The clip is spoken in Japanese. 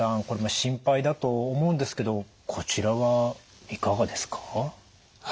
これも心配だと思うんですけどこちらはいかがですか？